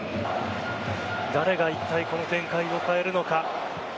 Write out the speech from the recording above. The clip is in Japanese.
誰が一体この展開を迎えるのか。